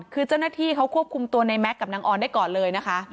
คือเจ้าหน้าที่เขาควบคุมตัวในแก๊กกับนางออนได้ก่อนเลยนะคะ